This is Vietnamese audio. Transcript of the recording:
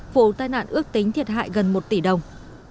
vụ tai nạn ước tính thiệt hại gần một tỷ đồng